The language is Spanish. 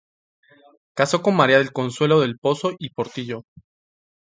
Casó con María del Consuelo del Pozo y Portillo.